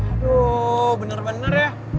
aduh bener bener ya